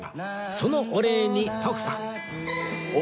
そのお礼に徳さん